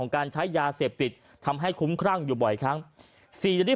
การใช้ยาเสพติดทำให้คุ้มครั่งอยู่บ่อยครั้ง